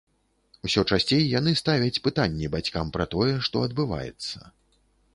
Усё часцей яны ставяць пытанні бацькам пра тое, што адбываецца.